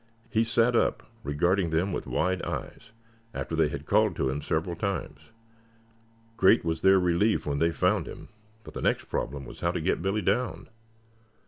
He sat up, regarding them with wide eyes, after they had called to him several times. Great was their relief when they found him, but the next problem was how to get Billy down.